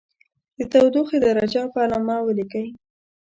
د تودوخې درجه په علامه ولیکئ.